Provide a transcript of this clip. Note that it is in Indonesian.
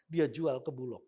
dia jual ke bulog